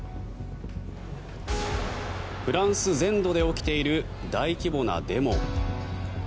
フランス全土で起きている大規模なデモ。